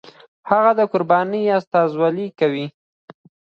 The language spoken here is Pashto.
هغه د قربانۍ استازولي کوي.